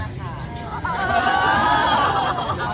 มาเหรอ